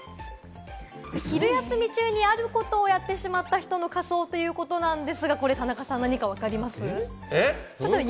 昼休み中にあることをやってしまった人の仮装ということなんですが、これ田中さん、何か分かります？